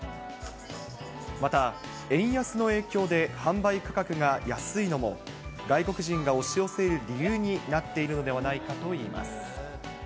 また、円安の影響で販売価格が安いのも、外国人が押し寄せる理由になっているのではないかといいます。